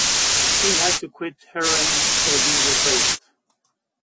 He had to quit heroin or be replaced.